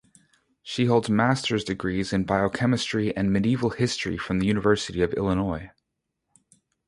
She holds master's degrees in biochemistry and medieval history from the University of Illinois.